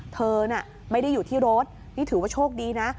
เธอน่ะไม่ได้อยู่ที่รถนี่ถือว่าโชคดีนะ